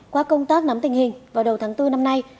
qua công tác nắm tình hình vào đầu tháng bốn năm nay